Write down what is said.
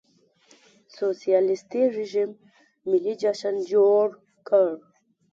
سوسیالېستي رژیم ملي جشن جوړ کړ.